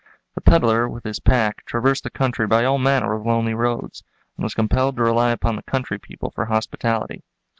The peddler with his pack traversed the country by all manner of lonely roads, and was compelled to rely upon the country people for hospitality.